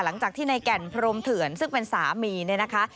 หลังจากที่ในแก่นพรมเถื่อนซึ่งเป็นสามีเนี่ยนะคะ